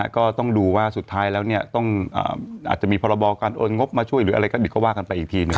ก็ต้องดูว่าสุดท้ายแล้วอาจจะมีพรบการโอนงบมาช่วยหรืออะไรก็ว่ากันไปอีกทีหนึ่ง